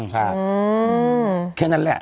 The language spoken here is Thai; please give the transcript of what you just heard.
แค่นั้นแหละ